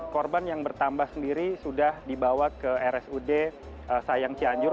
korban yang bertambah sendiri sudah dibawa ke rsud sayang cianjur